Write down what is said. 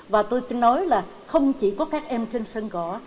và tôi chỉ nói là không chỉ có các em trên sân cỏ